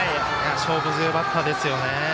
勝負強いバッターですよね。